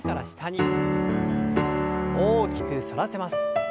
大きく反らせます。